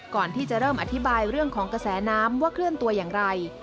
ก่อนที่จะเริ่มอธิบายเรื่องของกระแสน้ำว่าเคลื่อนตัวอย่างไร